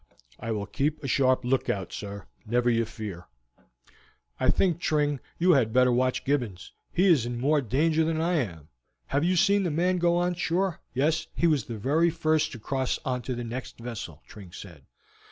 "I will keep a sharp lookout, sir, never you fear." "I think, Tring, you had better watch Gibbons; he is more in danger than I am. Have you seen the man go on shore?" "Yes, he was the very first to cross onto the next vessel," Tring said.